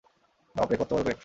বাপরে, কত্তবড় পেট!